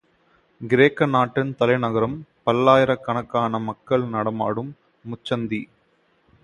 கிரேக்க நாட்டின் தலைநகரம் பல்லாயிரக் கணக்கான மக்கள் நடமாடும் முச்சந்தி.